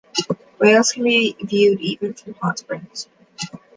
Whales can be viewed even from hot springs.